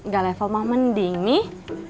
gak level mah mending nih